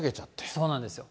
そうなんですよ。